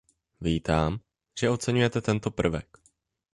Vítám, že oceňujete tento prvek.